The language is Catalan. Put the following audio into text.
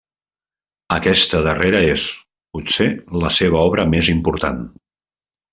Aquesta darrera és, potser, la seva obra més important.